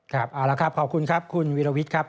ครับเอาละครับขอบคุณครับคุณวิรวิทย์ครับ